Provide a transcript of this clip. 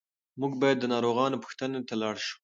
موږ باید د ناروغانو پوښتنې ته لاړ شو.